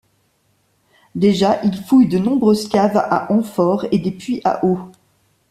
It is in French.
Déjà, il fouille de nombreuses caves à amphores et des puits à eau.